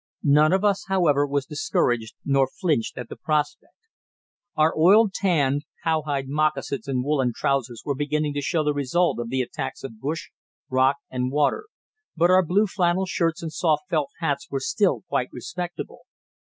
None of us, however, was discouraged, nor flinched at the prospect. Our oil tanned, cowhide moccasins and woollen trousers were beginning to show the result of the attacks of bush, rock, and water, but our blue flannel shirts and soft felt hats were still quite respectable.